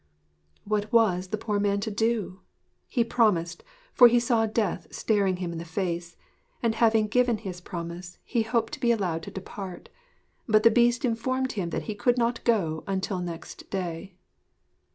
What was the poor man to do? He promised, for he saw death staring him in the face; and having given his promise he hoped to be allowed to depart. But the Beast informed him that he could not go until next day.